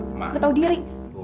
nggak tahu diri